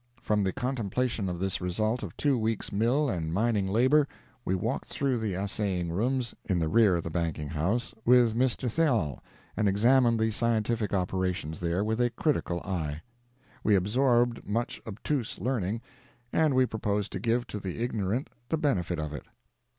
From the contemplation of this result of two weeks' mill and mining labor, we walked through the assaying rooms, in the rear of the banking house, with Mr. Theall, and examined the scientific operations there, with a critical eye. We absorbed much obtuse learning, and we propose to give to the ignorant the benefit of it.